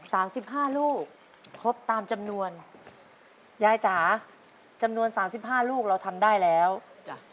สามสิบห้าลูกครบตามจำนวนยายจ๋าจำนวนสามสิบห้าลูกเราทำได้แล้วจ้ะ